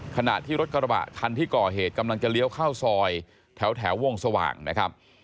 ขณะที่รถกระบะคันที่ก่อเหตุกำลังจะเลี้ยวเข้าซอยแถววงสว่างนะครับ